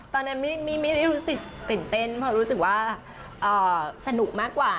ตอนนั้นไม่ได้รู้สึกตื่นเต้นเพราะรู้สึกว่าสนุกมากกว่า